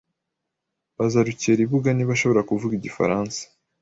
Baza Rukeribuga niba ashobora kuvuga igifaransa.